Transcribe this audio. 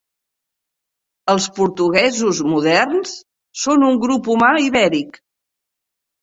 Els portuguesos moderns són un grup humà ibèric.